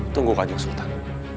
tunggu kanjang sultan